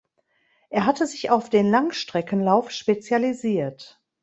Er hatte sich auf den Langstreckenlauf spezialisiert.